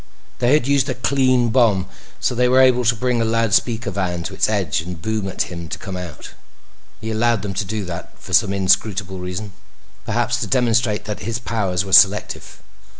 They had used a "clean" bomb. So they were able to bring a loudspeaker van to its edge and boom at him to come out. He allowed them to do that for some inscrutable reason; perhaps to demonstrate that his powers were selective.